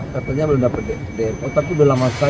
katanya belum dapat dmp